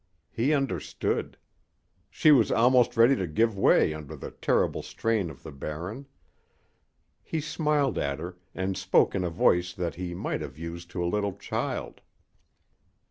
He understood. She was almost ready to give way under the terrible strain of the Barren. He smiled at her, and spoke in a voice that he might have used to a little child.